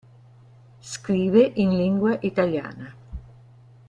Scrive in lingua italiana.